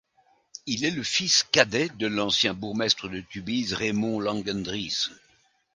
Il est le fils cadet de l'ancien bourgmestre de Tubize Raymond Langendries.